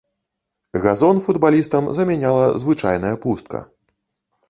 Газон футбалістам замяняла звычайная пустка.